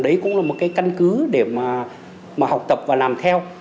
đấy cũng là một cái căn cứ để mà học tập và làm theo